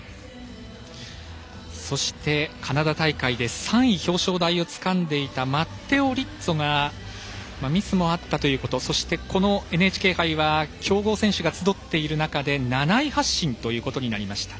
そして、カナダ大会で３位表彰台をつかんでいたマッテオ・リッツォがミスもあったということとそしてこのＮＨＫ杯は強豪選手が集っている中で７位発進ということになりました。